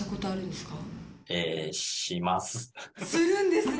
するんですね。